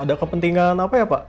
ada kepentingan apa ya pak